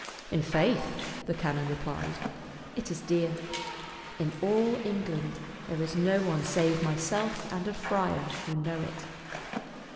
" In faith," the canon replied, " it is dear. In all England there is no one save myself and a friar who know it."